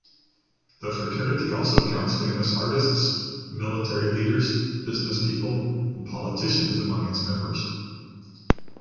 The fraternity also counts famous artists, military leaders, business people and politicians among its members.